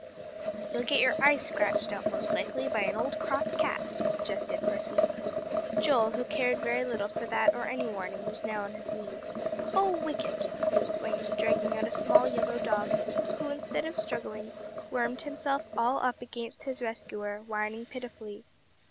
"You'll get your eyes scratched out, most likely, by an old, cross cat," suggested Percy. Joel, who cared very little for that or any warning, was now on his knees. "Oh whickets!" he exclaimed, dragging out a small yellow dog, who, instead of struggling, wormed himself all up against his rescuer, whining pitifully.